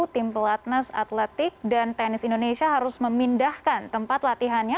tim pelatnas atletik dan tenis indonesia harus memindahkan tempat latihannya